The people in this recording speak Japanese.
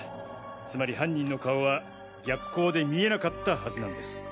つまり犯人の顔は逆光で見えなかったはずなんです。